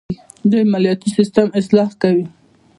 دوی مالیاتي سیستم اصلاح کوي.